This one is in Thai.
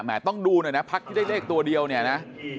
ต้องดูหน่อยนะพักที่ได้เลขตัวเดียวเนี่ยนะ